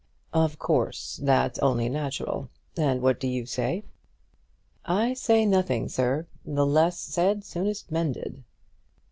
"Of course; that's only natural. And what do you say?" "I say nothing, sir. The less said the soonest mended."